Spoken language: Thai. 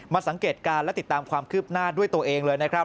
สังเกตการณ์และติดตามความคืบหน้าด้วยตัวเองเลยนะครับ